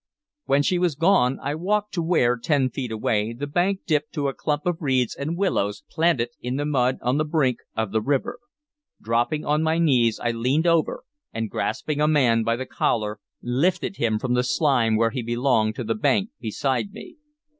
When she was gone, I walked to where, ten feet away, the bank dipped to a clump of reeds and willows planted in the mud on the brink of the river. Dropping on my knees I leaned over, and, grasping a man by the collar, lifted him from the slime where he belonged to the bank beside me.